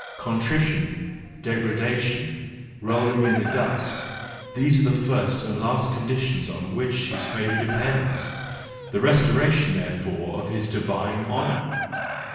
Contrition, degrada¬ tion, rolling in the dust,—these are the first and THE JOYFUL WISDOM, III 175 last conditions on which his favour depends: the restoration, therefore, of his divine honour!